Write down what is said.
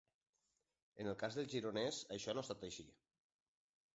En el cas del Gironès això no ha estat així.